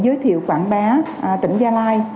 để giới thiệu quảng bá tỉnh gia lai